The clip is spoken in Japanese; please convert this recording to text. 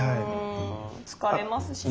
疲れますしね。